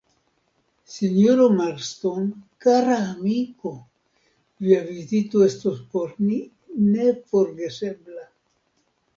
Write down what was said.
Sinjoro Marston, kara amiko, via vizito estos por ni neforgesebla.